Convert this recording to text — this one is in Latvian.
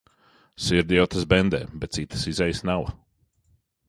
Sirdi jau tas bendē, bet citas izejas nava.